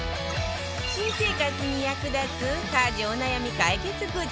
新生活に役立つ家事お悩み解決グッズ